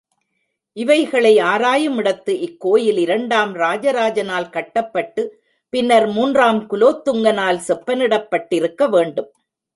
இவைகளை ஆராயுமிடத்து, இக்கோயில் இரண்டாம் ராஜராஜனால் கட்டப்பட்டுப் பின்னர் மூன்றாம் குலோத்துங்கனால் செப்பனிடப்பட்டிருக்கவேண்டும்.